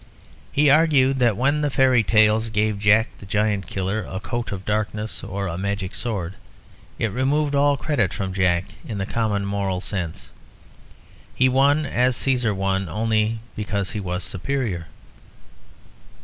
He argued that when the fairy tales gave Jack the Giant Killer a coat of darkness or a magic sword it removed all credit from Jack in the "common moral" sense; he won as Cæsar won only because he was superior.